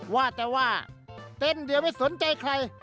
ว่าแต่ว่าเต้นเดียวไม่สนใจใคร